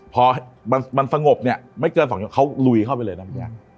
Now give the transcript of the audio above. พอมันสงบเนี่ยไม่เกิน๒ยกเขาลุยเข้าไปเลยนะพี่แจ๊ค